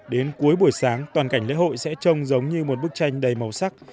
đến cuối buổi sáng toàn cảnh lễ hội sẽ trông giống như một bức tranh đầy màu sắc